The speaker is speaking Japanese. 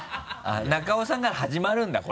あっ中尾さんから始まるんだ？